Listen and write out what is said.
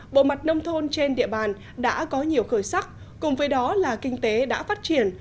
bộ mặt nông thôn trên địa bàn đã có nhiều khởi sắc cùng với đó là kinh tế đã phát triển